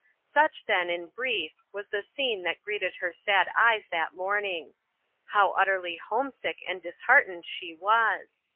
Such, then, in brief, was the scene that greeted her sad eyes that morning. How utterly homesick and disheartened she was!"